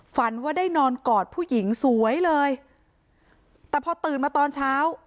ฝันว่าได้นอนกอดผู้หญิงสวยเลยแต่พอตื่นมาตอนเช้า